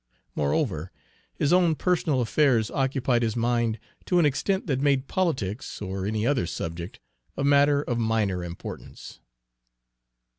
Moreover, his own personal affairs occupied his mind to an extent that made politics or any other subject a matter of minor importance.